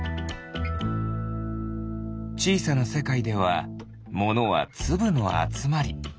ちいさなせかいではものはつぶのあつまり。